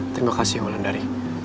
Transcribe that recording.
terima kasih wulan dari